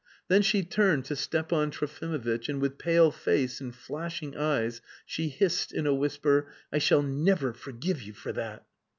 Then she turned to Stepan Trofimovitch, and with pale face and flashing eyes she hissed in a whisper: "I shall never forgive you for that!"